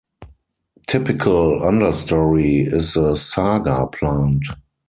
Typical understory is the Saga plant.